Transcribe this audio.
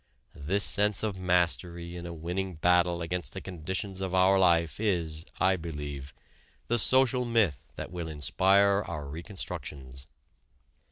This sense of mastery in a winning battle against the conditions of our life is, I believe, the social myth that will inspire our reconstructions.